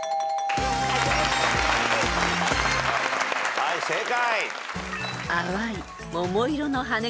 はい正解。